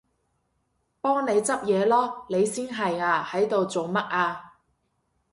幫你執嘢囉！你先係啊，喺度做乜啊？